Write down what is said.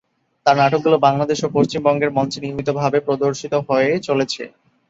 তার নাটকগুলো বাংলাদেশ ও পশ্চিমবঙ্গের মঞ্চে নিয়মিতভাবে প্রদর্শিত হয়ে চলেছে।